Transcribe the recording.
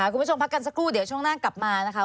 พักกันสักครู่เดี๋ยวช่วงหน้ากลับมานะคะ